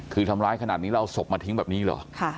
คือทำร้ายขนาดนี้แล้วเอาศพมาทิ้งแบบนี้เหรอ